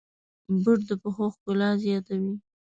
بوټ د پښو ښکلا زیاتوي.